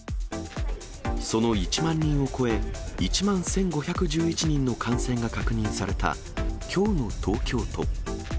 その１万人を超え、１万１５１１人の感染が確認された、きょうの東京都。